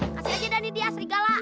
kasih aja dah nih dia serigala